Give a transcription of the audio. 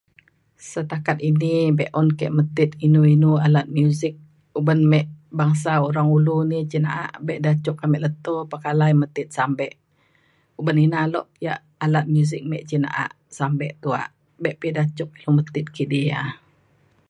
setakat ini be’un ke metit inu inu alat muzik uban me bangsa Orang Ulu ni cin na’a be da cuk ame leto pekalai metit sampe uban ina lok ia’ alat muzik me cin na’a sampe tuak be pa da cuk ilu metit kidi ia’